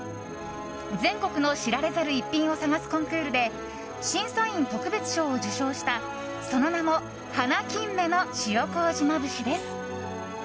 全国の知られざる逸品を探すコンクールで審査員特別賞を受賞したその名も華金目の塩麹まぶしです。